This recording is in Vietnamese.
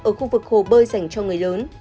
ở khu vực hồ bơi dành cho người lớn